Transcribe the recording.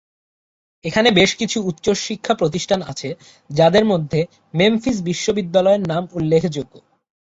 এখানে বেশ কিছু উচ্চশিক্ষা প্রতিষ্ঠান আছে, যাদের মধ্যে মেমফিস বিশ্ববিদ্যালয়ের নাম উল্লেখযোগ্য।